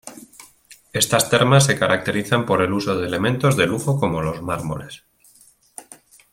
Estas termas se caracterizan por el uso de elementos de lujo como los mármoles.